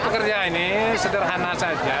kerja ini sederhana saja